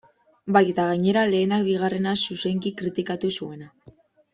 Bai, eta gainera, lehenak bigarrena zuzenki kritikatu zuena.